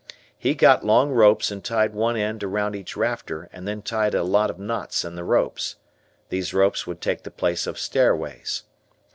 He got long ropes and tied one end around each rafter and then tied a lot of knots in the ropes. These ropes would take the place of stairways.